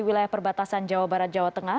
wilayah perbatasan jawa barat jawa tengah